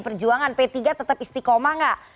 perjuangan p tiga tetap istiqomah gak